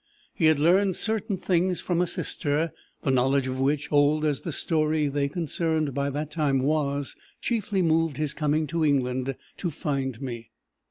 He had learned certain things from a sister, the knowledge of which, old as the story they concerned by that time was, chiefly moved his coming to England to find me.